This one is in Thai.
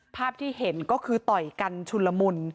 ภาพที่เห็นก็คือต่อยกันชุนละมุน